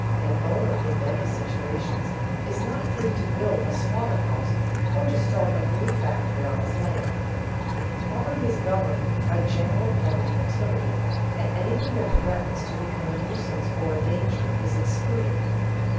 An owner in many situations is not free to build a slaughter house or to start a glue factory on his land. Property is governed by general public utility, and anything that threatens to become a nuisance or a danger is excluded.